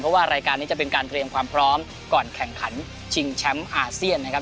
เพราะว่ารายการนี้จะเป็นการเตรียมความพร้อมก่อนแข่งขันชิงแชมป์อาเซียนนะครับ